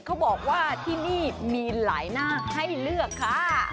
เขาบอกว่าที่นี่มีหลายหน้าให้เลือกค่ะ